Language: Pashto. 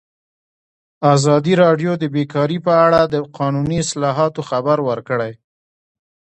ازادي راډیو د بیکاري په اړه د قانوني اصلاحاتو خبر ورکړی.